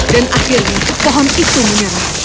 dan akhirnya pohon itu menyerah